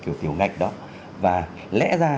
nhiều ngạch đó và lẽ ra